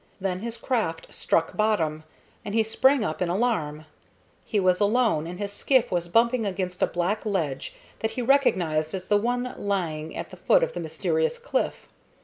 Then his craft struck bottom, and he sprang up in alarm. He was alone, and his skiff was bumping against a black ledge that he recognized as the one lying at the foot of the mysterious cliff.